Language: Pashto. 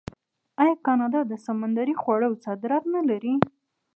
آیا کاناډا د سمندري خوړو صادرات نلري؟